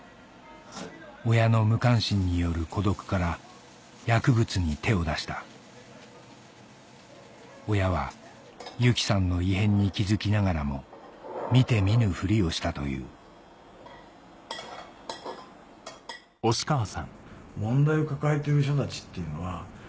親の無関心による孤独から薬物に手を出した親はユキさんの異変に気付きながらも見て見ぬふりをしたという例えば。